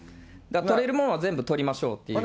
取れるもんは全部取りましょうっていう。